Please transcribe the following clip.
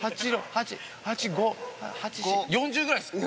８、５、４０ぐらいですか？